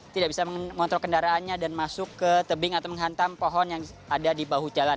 tidak bisa mengontrol kendaraannya dan masuk ke tebing atau menghantam pohon yang ada di bahu jalan